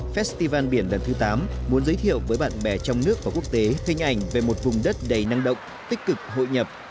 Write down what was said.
festival biển lần thứ tám muốn giới thiệu với bạn bè trong nước và quốc tế hình ảnh về một vùng đất đầy năng động tích cực hội nhập